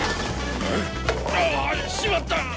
ああ！しまった！